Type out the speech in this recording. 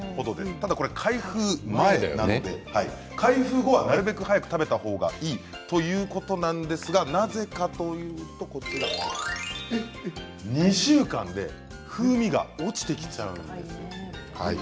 ただしこれは開封前なので開封後はなるべく早く食べたほうがいいということなんですがなぜかというと２週間で風味が落ちてきちゃうんです。